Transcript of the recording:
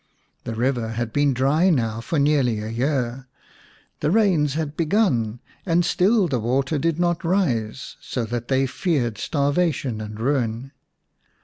The river had been dry now for nearly a year ; the rains had begun, and still the water did not rise, so that they feared starvation and ruin.